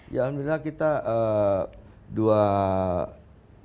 ya alhamdulillah kita dua minggu